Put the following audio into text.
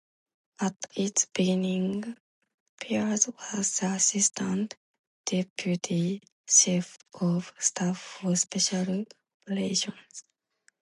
At its beginning, Peers was the assistant deputy chief of staff for special operations.